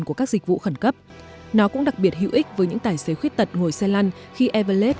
khẩn vụ khẩn cấp nó cũng đặc biệt hữu ích với những tài xế khuyết tật ngồi xe lăn khi elevate